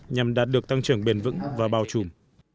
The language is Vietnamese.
nhằm đạt được tăng trưởng bền vững và bao trùm